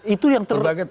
itu yang terbanget